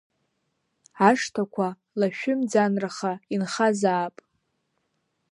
Ашҭақәа лашәы-мӡанраха инхазаап…